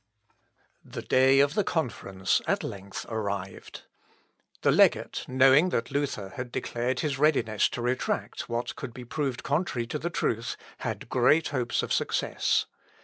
The day of conference at length arrived. The legate, knowing that Luther had declared his readiness to retract what could be proved contrary to the truth, had great hopes of success.